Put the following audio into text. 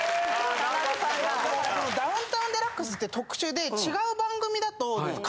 『ダウンタウンＤＸ』って特殊で。